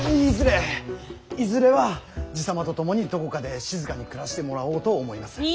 いずれいずれは爺様と共にどこかで静かに暮らしてもらおうと思います。